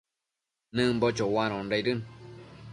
Nëmbo choanondaidëmbi